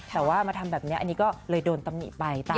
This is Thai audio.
แต่ว่ามาทำแบบเนี่ยอันนี้ก็เลยโดนตำนี่ไปตาม